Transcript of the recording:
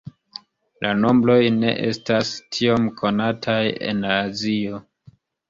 La nombroj ne estas tiom konataj en Azio.